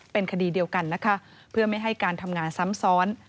เป็นคดีเดียวกันนะคะเพื่อไม่ให้การทำงานซ้ำซ้อน